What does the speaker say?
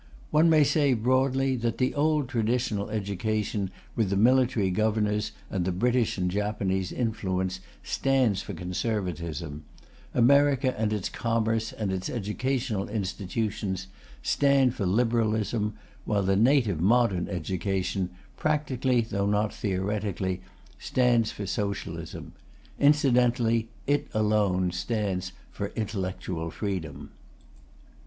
One may say broadly that the old traditional education, with the military governors and the British and Japanese influence, stands for Conservatism; America and its commerce and its educational institutions stand for Liberalism; while the native modern education, practically though not theoretically, stands for Socialism. Incidentally, it alone stands for intellectual freedom.